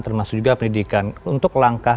termasuk juga pendidikan untuk langkah